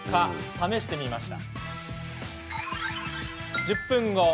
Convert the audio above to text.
試してみました。